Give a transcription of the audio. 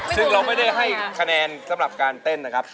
ซึ่งเราไม่ได้ให้คะแนนสำหรับการเต้นนะครับ